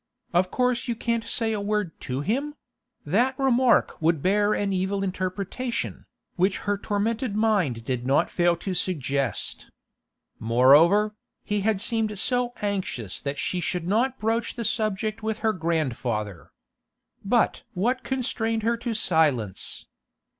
'Of course you can't say a word to him'—that remark would bear an evil interpretation, which her tormented mind did not fail to suggest. Moreover, he had seemed so anxious that she should not broach the subject with her grandfather. But what constrained her to silence?